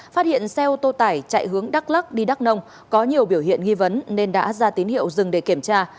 phát hiện xe ô tô tải chạy hướng đắk lắc đi đắk nông có nhiều biểu hiện nghi vấn nên đã ra tín hiệu dừng để kiểm tra